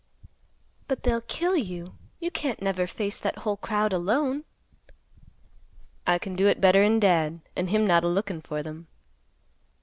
"But they'll kill you. You can't never face that whole crowd alone." "I can do it better'n Dad, and him not a lookin' for them."